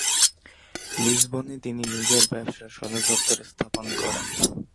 লিসবনে তিনি নিজের ব্যবসার সদর দপ্তর স্থাপন করেন।